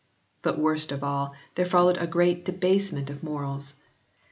But worst of all there followed a general debasement of morals.